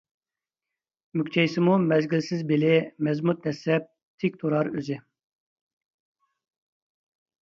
مۈكچەيسىمۇ مەزگىلسىز بېلى، مەزمۇت دەسسەپ تىك تۇرار ئۆزى.